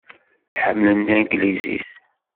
Ḥemmlen tanglizit.